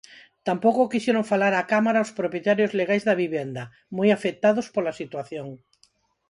Tampouco quixeron falar á cámara os propietarios legais da vivenda, moi afectados pola situación.